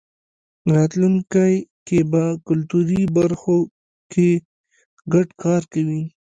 راتلونکی کې به کلتوري برخو کې ګډ کار کوی.